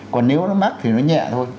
còn nếu nó mắc thì nó nhẹ thôi